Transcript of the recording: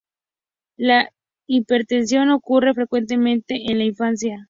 La hipertensión ocurre frecuentemente en la infancia.